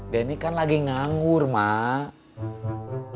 denny kan lagi nganggur mak